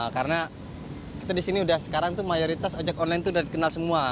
karena kita di sini udah sekarang tuh mayoritas ojek online itu udah dikenal semua